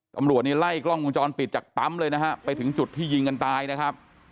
ตำรวจนี่ไล่กล้องวงจรปิดจากปั๊มเลยนะฮะไปถึงจุดที่ยิงกันตายนะครับ